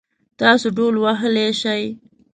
تاسو ډهول وهلی شئ؟